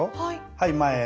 はい前へ。